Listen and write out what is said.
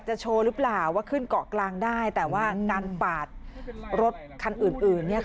โชว์หรือเปล่าว่าขึ้นเกาะกลางได้แต่ว่าการปาดรถคันอื่นเนี่ย